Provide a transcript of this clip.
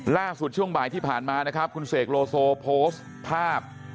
ช่วงบ่ายที่ผ่านมานะครับคุณเสกโลโซโพสต์ภาพ